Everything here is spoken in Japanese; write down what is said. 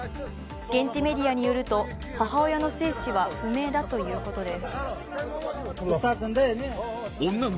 現地メディアによると母親の生死は不明だということです。